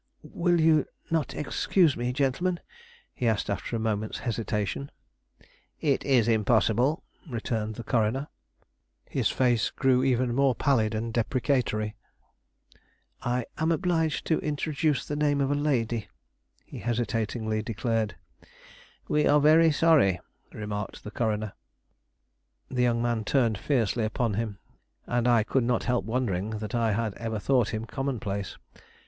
"Will you not excuse me, gentlemen?" he asked, after a moment's hesitation. "It is impossible," returned the coroner. His face grew even more pallid and deprecatory. "I am obliged to introduce the name of a lady," he hesitatingly declared. "We are very sorry," remarked the coroner. The young man turned fiercely upon him, and I could not help wondering that I had ever thought him commonplace.